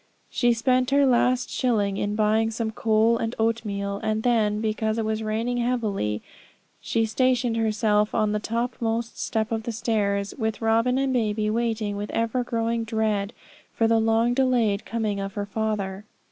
She spent her last shilling in buying some coal and oatmeal; and then, because it was raining heavily, she stationed herself on the topmost step of the stairs, with Robin and baby, waiting with ever growing dread for the long delayed coming of her father.